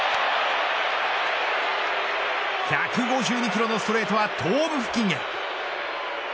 １５２キロのストレートは頭部付近へ。